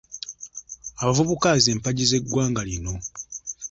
Abavubuka z'empagi z'eggwanga lino.